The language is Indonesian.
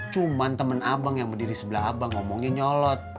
cuman temen abang yang berdiri sebelah abang ngomongnya nyolot